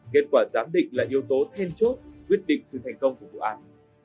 kết quả giám định là yếu tố then chốt quyết định sự thành công của vụ án